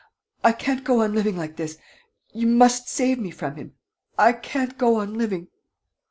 ... I can't go on living like this. ... You must save me from him. ... I can't go on living.